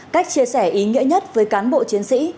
cách chia sẻ ý nghĩa nhất với cán bộ chiến sĩ